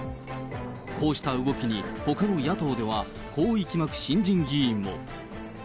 こうした動きに、ほかの野党ではこう息巻く新人議員も。